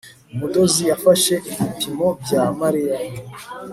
Umudozi yafashe ibipimo bya Mariya